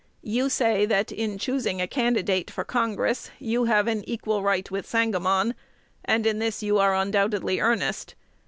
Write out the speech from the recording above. You say, that, in choosing a candidate for Congress, you have an equal right with Sangamon; and in this you are undoubtedly earnest.